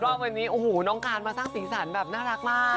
รอบวันนี้โอ้โหน้องการมาสร้างสีสันแบบน่ารักมาก